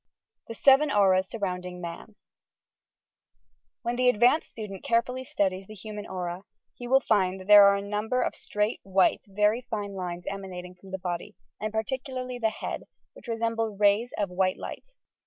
THE SEVEN AURAS SURHOUNDINO MAN When the advanced student carefully studies the hu man aura, he will find that there are a number of straight, white, very fine lines emanating from the body, and particularly the head, which resemble rays of white light.